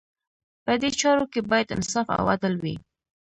په دې چارو کې باید انصاف او عدل وي.